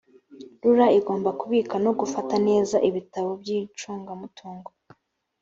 rura igomba kubika no gufata neza ibitabo by’icungamutungo